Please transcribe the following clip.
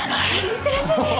いってらっしゃいです。